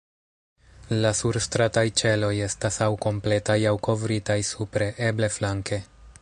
La surstrataj ĉeloj estas aŭ kompletaj, aŭ kovritaj supre, eble flanke.